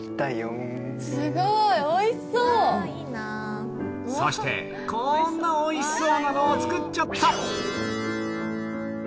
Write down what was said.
すごい！そしてこんなおいしそうなのを作っちゃった！